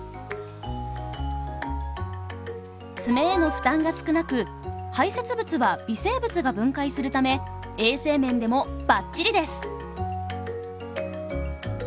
爪への負担が少なく排せつ物は微生物が分解するため衛生面でもバッチリです。